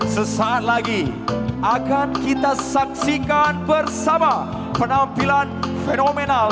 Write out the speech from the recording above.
sesaat lagi akan kita saksikan bersama penampilan fenomenal